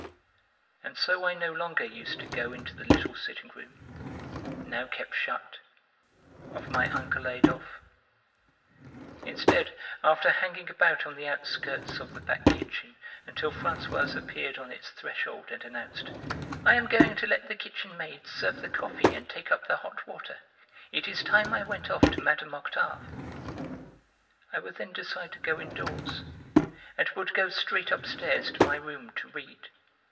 And so I no longer used to go into the little sitting room (now kept shut) of my uncle Adolphe; instead, after hanging about on the outskirts of the back kitchen until Françoise appeared on its threshold and announced: "I am going to let the kitchen maid serve the coffee and take up the hot water; it is time I went off to Mme. Octave," I would then decide to go indoors, and would go straight upstairs to my room to read.